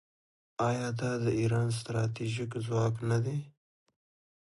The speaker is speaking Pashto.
آیا دا د ایران ستراتیژیک ځواک نه دی؟